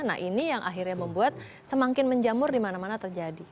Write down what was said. nah ini yang akhirnya membuat semakin menjamur di mana mana terjadi